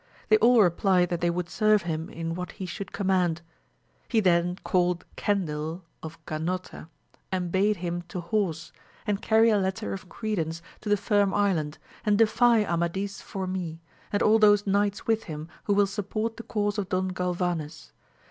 They all replied that they would serve him in whatt hie should command. He then called Cendil of \0— ^ 148 AMADIS OF GAUL. Ganota, and bade him to horse and carry a letter of credence to the Firm Island, and defy Amadis for me, and aU those knights with him who will support the cause of Don Galvanes.